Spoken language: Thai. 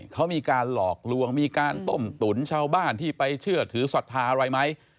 เขามีการหลอกลวงมีการต้มตุ๋นชาวบ้านที่ไปเชื่อถือศรัทธาอะไรไหม